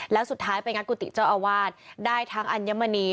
แล้วสุดท้ายไปงัดกุฏิเจ้าอาวาสได้ทั้งอัญมณี